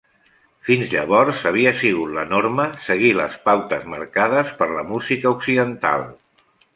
Fins llavors havia sigut la norma seguir les pautes marcades per la música occidental.